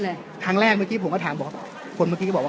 ครั้งแรกเมื่อกี้ผมก็ถามบอกว่าคนเมื่อกี้ก็บอกว่า